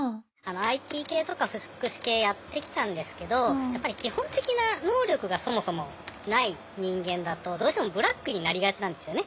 ＩＴ系とか福祉系やってきたんですけどやっぱり基本的な能力がそもそもない人間だとどうしてもブラックになりがちなんですよね。